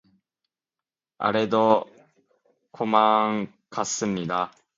아래로 도망갔습니다